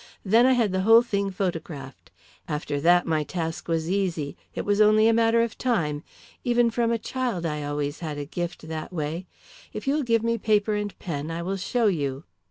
Then I had the whole thing photographed. After that my task was easy, it was only a matter of time. Even from a child I always had a gift that way. If you will give me paper and pen I will show you."